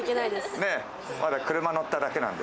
まだ車乗っただけなんで。